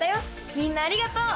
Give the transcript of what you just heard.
みんなありがとう。